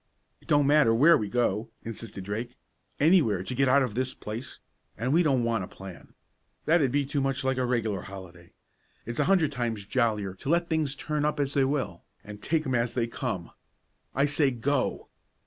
"It don't matter where we go," insisted Drake, "anywhere to get out of this place; an' we don't want a plan, that 'ud be too much like a regular holiday. It's a hundred times jollier to let things turn up as they will, an' take 'em as they come. I say go!"